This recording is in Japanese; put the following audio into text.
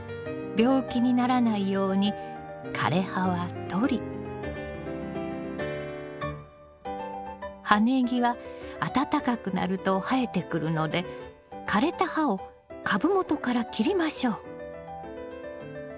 病気にならないように枯れ葉は取り葉ネギは暖かくなると生えてくるので枯れた葉を株元から切りましょう。